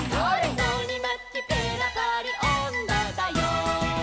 「のりまきペラパリおんどだよ」